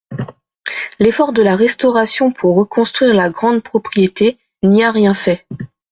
L'effort de la Restauration pour reconstruire la grande propriété n'y a rien fait.